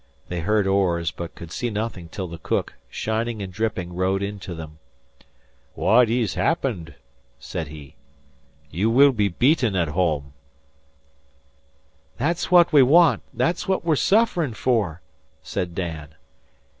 They heard oars, but could see nothing till the cook, shining and dripping, rowed into them. "What iss happened?" said he. "You will be beaten at home." "Thet's what we want. Thet's what we're sufferin' for" said Dan.